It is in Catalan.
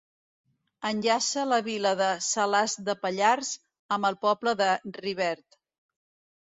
Enllaça la vila de Salàs de Pallars amb el poble de Rivert.